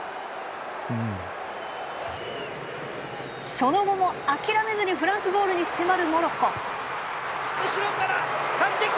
その後も諦めずにフランスゴールに迫るモロッコ。